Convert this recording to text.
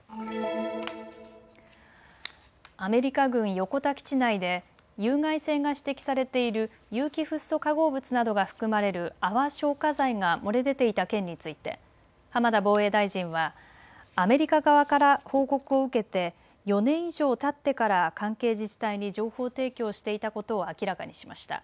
アメリカ軍横田基地内で有害性が指摘されている有機フッ素化合物などが含まれる泡消火剤が漏れ出ていた件について浜田防衛大臣はアメリカ側から報告を受けて４年以上たってから関係自治体に情報提供していたことを明らかにしました。